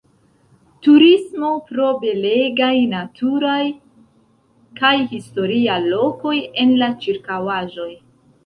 Turismo pro belegaj naturaj kaj historia lokoj en la ĉirkaŭaĵoj.